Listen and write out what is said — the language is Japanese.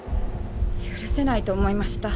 許せないと思いました。